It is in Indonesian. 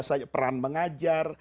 yang biasa peran mengajar